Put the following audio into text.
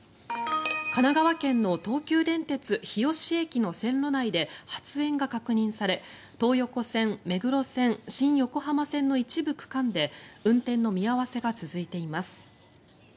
神奈川県の東急電鉄日吉駅の線路内で発煙が確認され東横線、目黒線、新横浜線の一部区間で運転の見合わせが続いています。